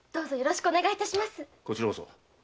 こちらこそ。